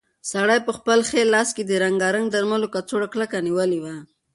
سړي په خپل ښي لاس کې د رنګارنګ درملو کڅوړه کلکه نیولې وه.